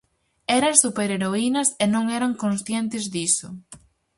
Eran superheroínas e non eran conscientes diso.